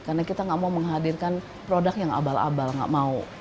karena kita gak mau menghadirkan produk yang abal abal gak mau